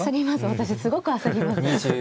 私すごく焦ります。